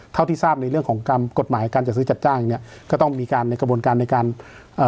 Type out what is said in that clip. เท่าที่ทราบในเรื่องของกรรมกฎหมายการจัดซื้อจัดจ้างเนี้ยก็ต้องมีการในกระบวนการในการเอ่อ